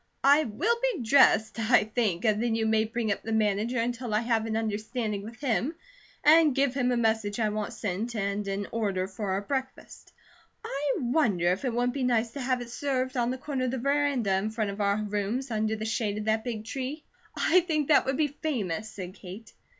"I will be dressed, I think, and then you may bring up the manager until I have an understanding with him, and give him a message I want sent, and an order for our breakfast. I wonder if it wouldn't be nice to have it served on the corner of the veranda in front of our rooms, under the shade of that big tree." "I think that would be famous," said Kate.